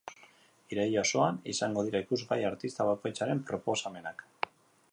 Iraila osoan izango dira ikusgai artista bakoitzaren proposamenak.